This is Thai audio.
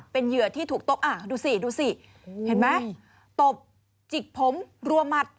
เป็นเหยื่อที่ถูกตบดูสิดูสิเห็นไหมตบจิกผมรัวหมัด